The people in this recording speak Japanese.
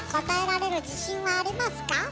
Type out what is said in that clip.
答えられる自信はありますか？